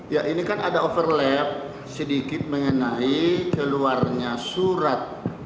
ya ini kan ada overlap sedikit mengenai keluarnya surat